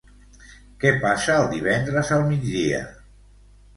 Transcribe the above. Què passa el divendres al migdia?